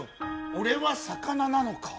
俺は魚なのか？